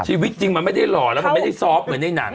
ชีวิตจริงมันไม่ได้หล่อแล้วมันไม่ได้ซอฟต์เหมือนในหนัง